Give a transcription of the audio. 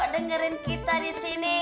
dengerin kita disini